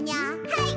はい。